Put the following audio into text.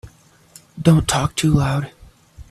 Don't talk too loud.